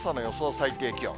最低気温。